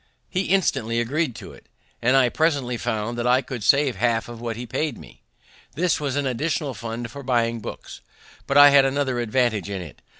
He instantly agreed to it, and I presently found that I could save half what he paid me. This was an additional fund for buying books. But I had another advantage in it.